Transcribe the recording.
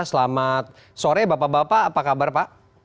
selamat sore bapak bapak apa kabar pak